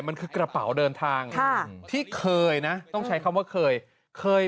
มันคือกระเป๋าเดินทางค่ะที่เคยนะต้องใช้คำว่าเคยเคย